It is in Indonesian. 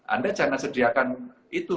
anda jangan sediakan itu